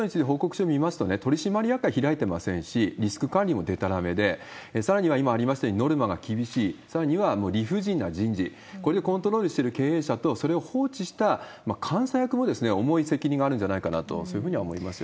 この会社のことについて報告書見ますと、取締役会開いてませんし、リスク管理もでたらめで、さらには今ありましたように、ノルマが厳しい、さらには理不尽な人事、これをコントロールしてる経営者と、それを放置した監査役も重い責任があるんじゃないかなと、そういうふうには思いますよ